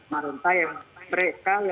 marontah yang mereka